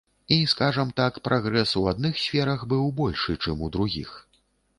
І, скажам так, прагрэс у адных сферах быў большы, чым у другіх.